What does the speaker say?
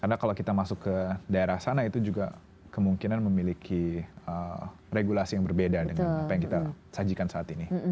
karena kalau kita masuk ke daerah sana itu juga kemungkinan memiliki regulasi yang berbeda dengan apa yang kita sajikan saat ini